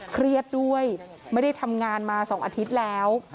เครียดด้วยไม่ได้ทำงานมา๒อาทิตย์แล้ว